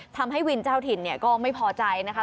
ทำให้วินเจ้าถิ่นเนี่ยก็ไม่พอใจนะคะ